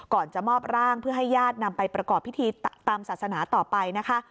จะมอบร่างเพื่อให้ญาตินำไปประกอบพิธีตามศาสนาต่อไปนะคะ